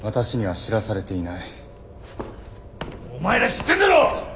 お前ら知ってんだろ！